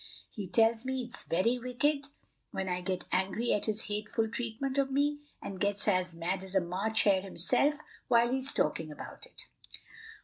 He tells me it's very wicked when I get angry at his hateful treatment of me, and gets as mad as a March hare himself while he's talking about it."